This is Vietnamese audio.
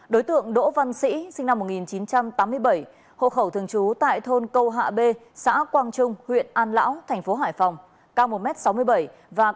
đối tượng đỗ văn sĩ sinh năm một nghìn chín trăm tám mươi bảy hộ khẩu thương chú tại thôn câu hạ b xã quang trung huyện an lão thành phố hải phòng cao một m sáu mươi bảy và có xeo chấm cách một cm trên trước đầu mắt trái